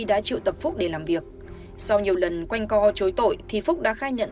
đã triệu tập phúc để làm việc sau nhiều lần quanh co chối tội thì phúc đã khai nhận